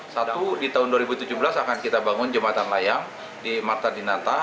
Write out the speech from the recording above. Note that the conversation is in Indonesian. satu di tahun dua ribu tujuh belas akan kita bangun jembatan layang di marta dinata